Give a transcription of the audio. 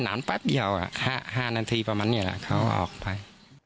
นานแป๊บเดียว๕นาทีประมาณนี้เขาออกไป